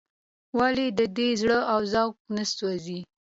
ولې د ده زړه او ذوق نه سوزي.